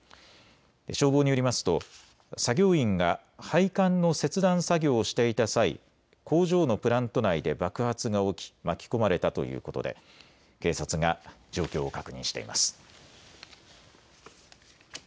消防によりますと作業員が配管の切断作業をしていた際、工場のプラント内で爆発が起き巻き込まれたということで警察が状況を確認しています。